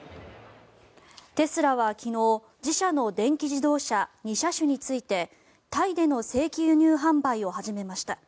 テスラは昨日自社の電気自動車２車種についてタイでの正規輸入販売を始めました。